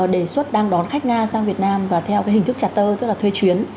đề xuất đang đón khách nga sang việt nam và theo hình thức chả tơ tức là thuê chuyến